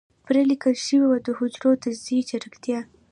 پرې ليکل شوي وو د حجرو د تجزيې چټکتيا.